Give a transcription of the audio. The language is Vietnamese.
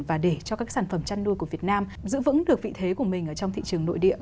và để cho các sản phẩm chăn nuôi của việt nam giữ vững được vị thế của mình ở trong thị trường nội địa